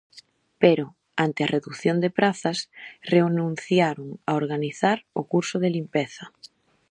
Pero, ante a redución de prazas, renunciaron a organizar o curso de limpeza.